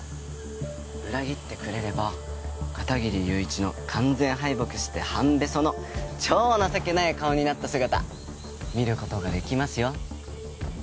裏切ってくれれば片切友一の完全敗北して半べその超情けない顔になった姿見る事ができますよ。